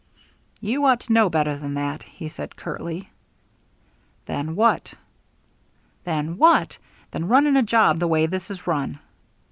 "You ought to know better than that," he said curtly. "Than what?" "Than what? than running a job the way this is run."